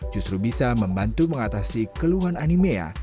justru bisa membantu mengatasi keluhan animea